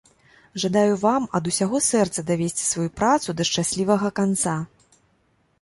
Жадаю вам ад усяго сэрца давесці сваю працу да шчаслівага канца!